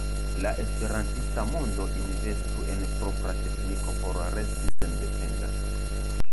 La esperantista mondo investu en propra tekniko por resti sendependa.